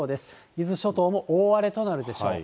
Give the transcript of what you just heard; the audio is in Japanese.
伊豆諸島も大荒れとなるでしょう。